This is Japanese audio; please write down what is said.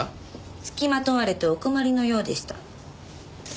付きまとわれてお困りのようでした。